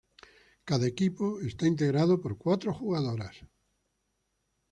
Cada equipo está integrado por cuatro jugadoras.